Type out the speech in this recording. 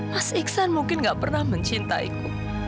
mas iksan mungkin gak pernah mencintaiku